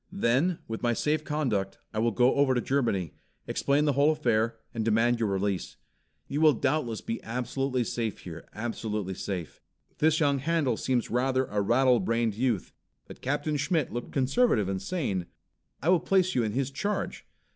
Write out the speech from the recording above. Then, with my safe conduct, I will go over to Germany, explain the whole affair, and demand your release. You will doubtless be absolutely safe here, absolutely safe. This young Handel seems rather a rattle brained youth, but Captain Schmitt looked conservative and sane. I will place you in his Charge.